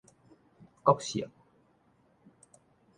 國姓